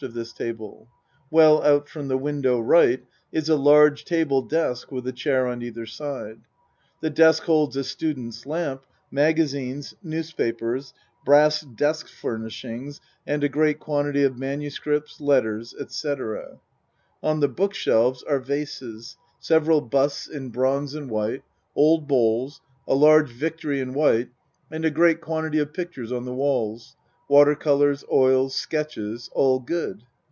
of this table. Well out from the window R. is a large table desk with a chair on either side. The desk holds a student's lamp magazines, newspa pers, brass desk furnishings and a great quantity of Mss. letters, etc. On the book shelves are vases, several busts in 7 8 A MAN'S WORLD bronz and white old bowls, a large Victory in white, and a great quantity of pictures on the walls water colors, oils, sketches all good.